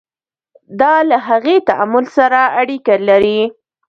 دا له هغې تعامل سره اړیکه لري.